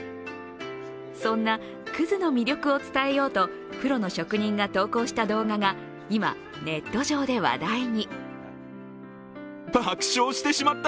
そんな葛の魅力を伝えようとプロの職人が投稿した動画が今、ネット上で話題に。